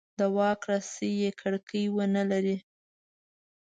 د واک رسۍ یې کړکۍ ونه لري.